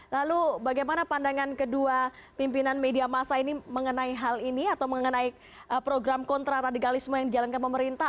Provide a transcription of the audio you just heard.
lalu bagaimana pandangan kedua pimpinan media masa ini mengenai hal ini atau mengenai program kontraradikalisme yang dijalankan pemerintah